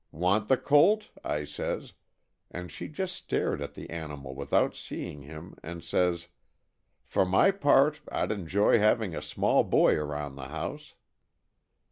'Want the colt?' I says, and she just stared at the animal without seeing him and says, 'For my part I'd enjoy having a small boy about the house.'"